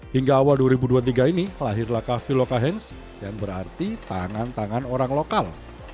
hingga awal dua ribu dua puluh tiga ini lahirlah kafe lokalensi yang berarti tangan tangan orang lokal